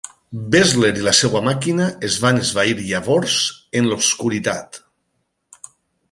Bessler i la seva màquina es van esvair llavors en l'obscuritat.